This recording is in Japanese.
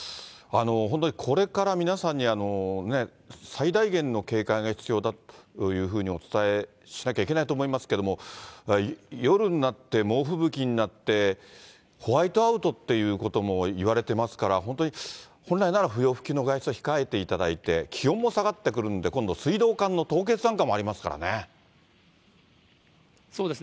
本当にこれから皆さんに最大限の警戒が必要だというふうにお伝えしなきゃいけないと思いますけれども、夜になって猛吹雪になって、ホワイトアウトっていうことも言われてますから、本当に本来なら不要不急の外出は控えていただいて、気温も下がってくるんで、今度水道管の凍結なんかもありますからね。